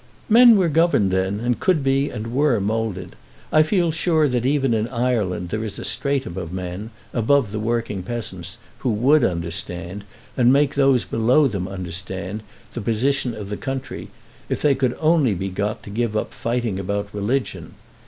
"Men were governed then, and could be and were moulded. I feel sure that even in Ireland there is a stratum of men, above the working peasants, who would understand, and make those below them understand, the position of the country, if they could only be got to give up fighting about religion.